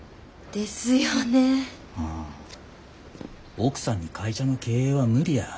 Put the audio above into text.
奥さんに会社の経営は無理や。